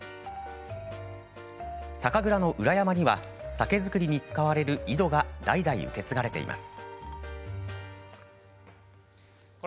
酒蔵の裏山には酒造りに使われる井戸が代々受け継がれています。